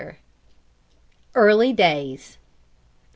EARLY DAYS.